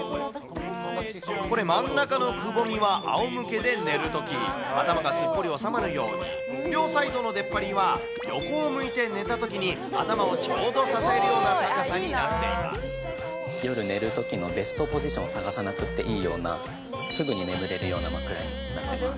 これ、真ん中のくぼみはあおむけで寝るとき、頭がすっぽり収まるように、両サイドの出っ張りは、横を向いて寝たときに頭をちょうど支えるような高さになっていま夜、寝るときのベストポジションを探さなくっていいような、すぐに眠れるような枕になっています。